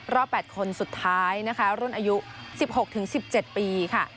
รอบ๘คนสุดท้ายรุ่นอายุ๑๖๑๗ปี